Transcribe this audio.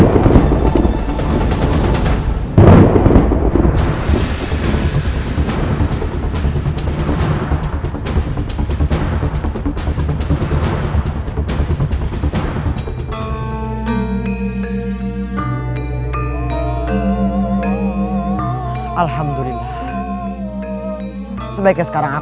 saya akan menematikinya secara pahit